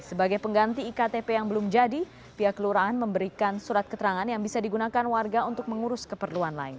sebagai pengganti iktp yang belum jadi pihak kelurahan memberikan surat keterangan yang bisa digunakan warga untuk mengurus keperluan lain